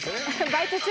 バイト中？